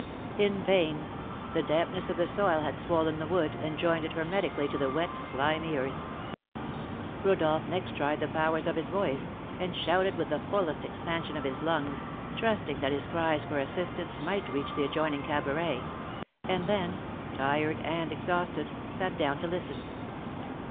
In vain; the dampness of the soil had swollen the wood, and joined it hermetically to the wet, slimy earth. Rodolph next tried the powers of his voice, and shouted with the fullest expansion of his lungs, trusting that his cries for assistance might reach the adjoining cabaret; and then, tired and exhausted, sat down to listen.